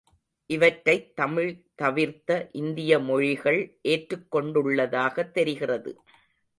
இவற்றைத் தமிழ் தவிர்த்த இந்திய மொழிகள் ஏற்றுக் கொண்டுள்ளதாகத் தெரிகிறது.